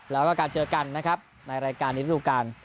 แล้วก็การเจอกันนะครับในรายการในฤดูการ